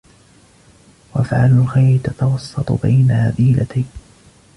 وَأَفْعَالُ الْخَيْرِ تَتَوَسَّطُ بَيْنَ رَذِيلَتَيْنِ